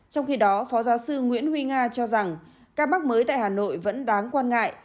trong khi đó phó giáo sư nguyễn huy nga cho rằng ca mắc mới tại hà nội vẫn đáng quan ngại